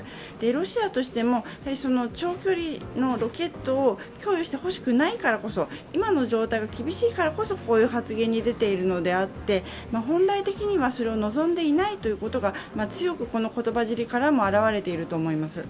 ロシアとしても、長距離ロケットを供与してほしくないからこそ今の状態が厳しいからこそ、こういう発言に出ているのであって本来的には、それを望んでいないということが強くこの言葉尻からも表れていると思います。